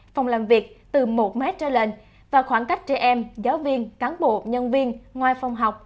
phòng làm việc từ một m trở lên và khoảng cách trẻ em giáo viên cán bộ nhân viên ngoài phòng học